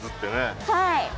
はい。